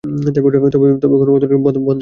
তবে কোনো খদ্দের না থাকলে বন্ধ করে দেয়।